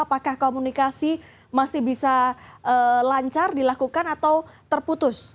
apakah komunikasi masih bisa lancar dilakukan atau terputus